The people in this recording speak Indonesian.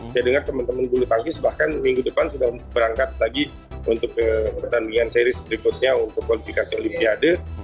saya dengar teman teman bulu tangkis bahkan minggu depan sudah berangkat lagi untuk ke pertandingan seri berikutnya untuk kualifikasi olimpiade